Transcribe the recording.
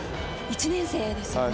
１年生ですよね？